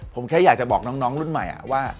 ผมแค่อยากจะบอกน้องรุ่นใหม่ว่า